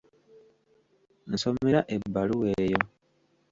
Nsomera ebbaluwa eyo.